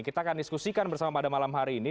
kita akan diskusikan bersama pada malam hari ini